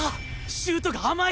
シュートが甘い！